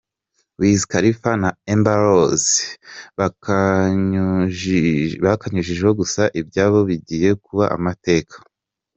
Wiz Khalifa na Amber Rose bakanyujijeho gusa ibyabo bigiye kuba amateka.